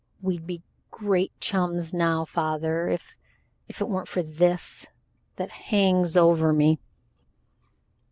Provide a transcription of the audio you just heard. "We'd be great chums, now, father, if if it weren't for this that hangs over me."